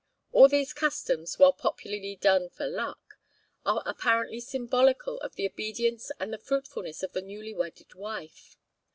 All these customs, while popularly done 'for luck,' are apparently symbolical of the obedience and the fruitfulness of the newly wedded wife.